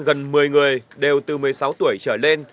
gần một mươi người đều từ một mươi sáu tuổi trở lên